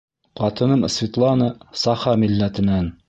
Ҡатыным Светлана — саха милләтенән.